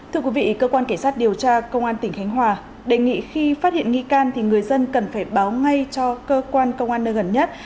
thưa quý vị cơ quan cảnh sát điều tra công an tỉnh khánh hòa đề nghị khi phát hiện nghi can thì người dân cần phải báo ngay cho cơ quan công an nơi gần nhất